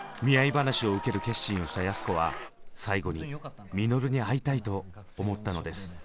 見合い話を受ける決心をした安子は最後に稔に会いたいと思ったのです。